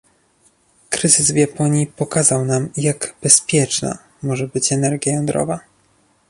Kryzys w Japonii pokazał nam, jak "bezpieczna" może być energia jądrowa